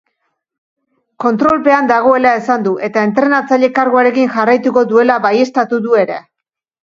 Kontrolpean dagoela esan du eta entrenatzaile karguarekin jarraituko duela baieztatu du ere.